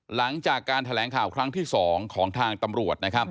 หลังจากการแถลงข่าวครั้งที่๒ของทางตำรวจนะครับ